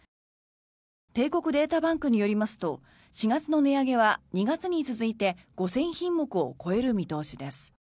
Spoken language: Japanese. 帝国データバンクによりますと４月の値上げは２月に続いて５０００品目を超える見通しです。